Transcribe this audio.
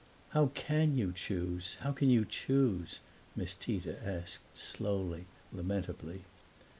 "How can you choose how can you choose?" Miss Tita asked, slowly, lamentably.